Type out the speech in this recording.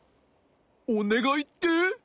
おねがいって？